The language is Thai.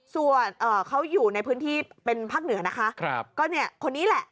ส่วนเขาอยู่ในพื้นที่เป็นภาคเหนือนะคะก็เนี่ยคนนี้แหละ